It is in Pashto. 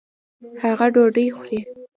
هغه ډوډۍ خوري.